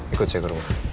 ikut saya ke rumah